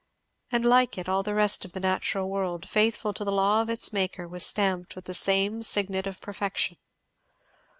And like it all the rest of the natural world, faithful to the law of its Maker, was stamped with the same signet of perfection.